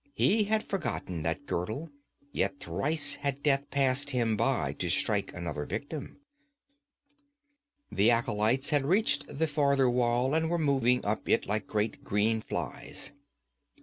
He had forgotten that girdle; yet thrice had death passed him by to strike another victim. The acolytes had reached the farther wall and were moving up it like great green flies.